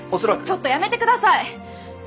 ちょっとやめてください！